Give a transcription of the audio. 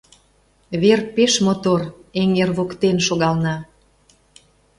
Вер пеш мотор, эҥер воктен шогална.